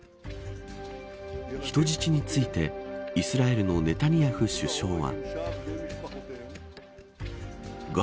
人質について、イスラエルのネタニヤフ首相は。